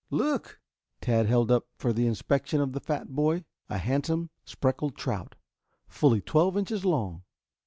_" "Look!" Tad held up for the inspection of the fat boy a handsome speckled trout, fully twelve inches long.